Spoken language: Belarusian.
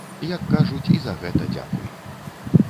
Як кажуць, і за гэта дзякуй.